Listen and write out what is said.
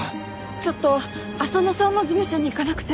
ちょっと浅野さんの事務所に行かなくちゃいけなくて。